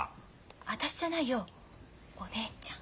私じゃないよお姉ちゃん。